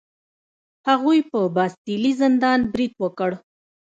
هغوی په باستیلي زندان برید وکړ.